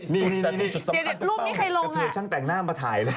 นี่รูปนี้ใครลงสิอ่ะเจ๊คือช่างแต่งหน้ามาถ่ายเลย